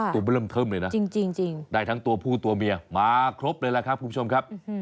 ตัวมันเริ่มเทิมเลยนะจริงได้ทั้งตัวผู้ตัวเมียมาครบเลยล่ะครับคุณผู้ชมครับ